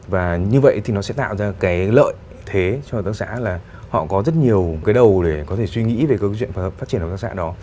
và như vậy thì nó sẽ tạo ra cái lợi thế cho hợp tác xã là họ có rất nhiều cái đầu để có thể suy nghĩ về câu chuyện phát triển hợp tác xã đó